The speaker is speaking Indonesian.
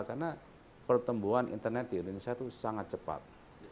karena pertemuan internet di indonesia itu sangat cepat